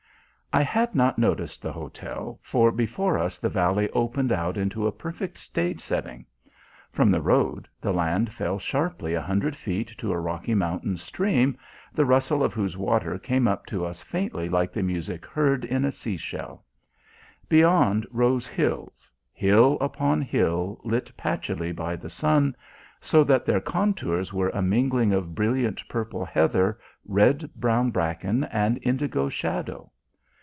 I had not noticed the hotel, for before us the valley opened out into a perfect stage setting. From the road the land fell sharply a hundred feet to a rocky mountain stream, the rustle of whose water came up to us faintly like the music heard in a sea shell. Beyond rose hills hill upon hill lit patchily by the sun, so that their contours were a mingling of brilliant purple heather, red brown bracken, and indigo shadow.